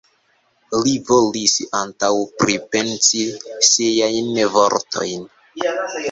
Li volis antaŭe pripensi siajn vortojn.